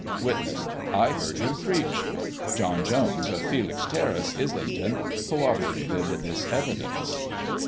Witness : I heard him preach. John Jones, of Felix Terrace, Islington, corroborated this evidence.